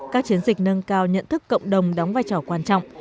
các chiến dịch nâng cao nhận thức cộng đồng đóng vai trò quan trọng